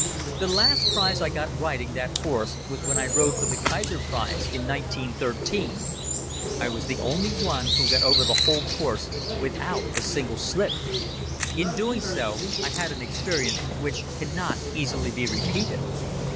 The last prize I got riding that horse was when I rode for the Kaiser Prize in 1913. I was the only one who got over the whole course without a single slip. In doing so I had an experience which cannot easily be repeated.